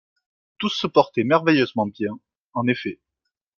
Tous se portaient merveilleusement bien, en effet.